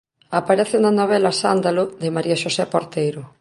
Aparece na novela "Sándalo" de María Xosé Porteiro.